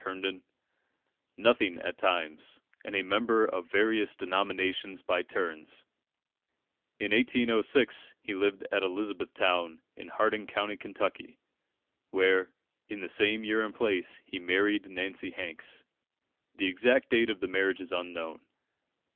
Herndon, "nothing at times, and a member of various denominations by turns." In 1806, he lived at Elizabethtown, in Hardin County, Kentucky, where, in the same year and place, he married Nancy Hanks: the exact date of the marriage is unknown.